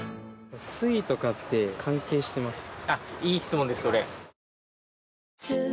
水位とかって関係してますか？